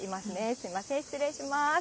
すみません、失礼します。